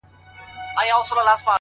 پوهېږم نه’ يو داسې بله هم سته’